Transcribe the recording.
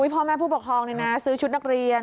พ่อแม่ผู้ปกครองซื้อชุดนักเรียน